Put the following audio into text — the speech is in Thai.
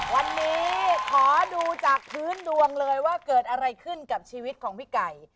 วันนี้ขอดูจากพื้นดวงเลยว่าเกิดอะไรขึ้นกับชีวิตของพี่ไก่